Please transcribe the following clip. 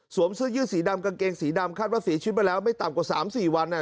เสื้อยืดสีดำกางเกงสีดำคาดว่าเสียชีวิตมาแล้วไม่ต่ำกว่า๓๔วัน